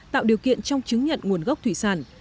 tạo điều kiện trong chứng nhận nguồn gốc thủy sản